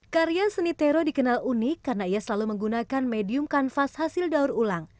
karya seni tero dikenal unik karena ia selalu menggunakan medium kanvas hasil daur ulang